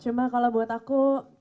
cuma kalau buat aku